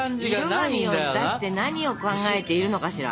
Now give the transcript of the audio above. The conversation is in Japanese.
色紙を出して何を考えているのかしら？